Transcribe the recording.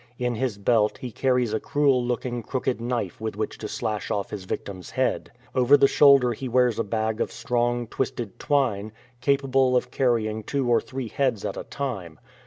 In his belt he carries a cruel looking crooked knife with which to slash off his victim'^s head. Over the shoulder he wears a bag of strong, twisted twine, capable of carrying two or three heads at a time.